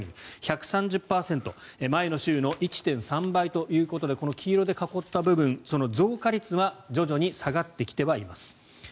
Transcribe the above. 前の週の１．３倍ということでこの黄色で囲った部分増加率は徐々に下がってきてはいます。